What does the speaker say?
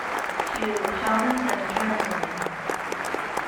She is a shaman and a trans woman.